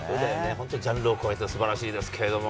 本当にジャンルを超えてすばらしいですけれども。